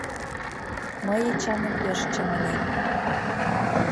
Мый Эчаным пеш чаманем.